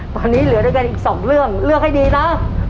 ตอนนี้เหลือด้วยกันอีกสองเรื่องเลือกให้ดีนะ